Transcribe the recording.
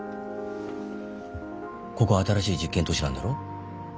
ここは新しい実験都市なんだろ？